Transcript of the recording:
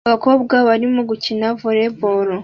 Abakobwa barimo gukina volley ball